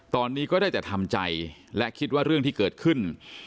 ตอนนี้ก็ได้แต่ทำใจและคิดว่าเรื่องที่เกิดขึ้น